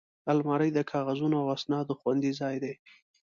الماري د کاغذونو او اسنادو خوندي ځای دی